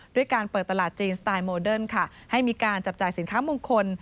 ด้วยการเปิดตลาดจีนสไตล์โมเดิร์นค่ะให้มีการจับจ่ายสินค้ามงคล